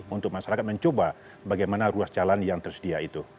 untuk masyarakat mencoba bagaimana ruas jalan yang tersedia itu